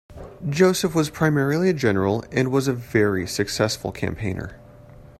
Joseph was primarily a general and was a very successful campaigner.